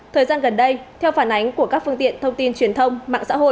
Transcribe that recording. thời gian gần đây theo phản ánh của các phương tiện thông tin truyền thông mạng xã hội